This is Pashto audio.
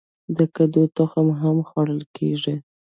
د کدو تخمونه هم خوړل کیږي.